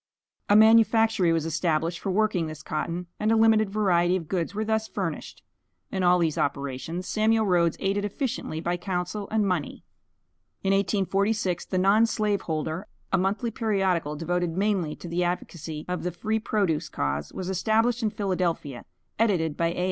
A manufactory was established for working this cotton, and a limited variety of goods were thus furnished. In all these operations Samuel Rhoads aided efficiently by counsel and money. In 1846, "The Non slave holder," a monthly periodical, devoted mainly to the advocacy of the Free Produce cause, was established in Philadelphia, edited by A.